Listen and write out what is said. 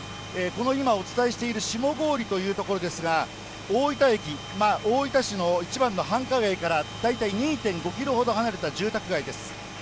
この今お伝えしている下郡というところですが、大分駅、大分市の一番の繁華街から大体２．５キロほど離れた住宅街です。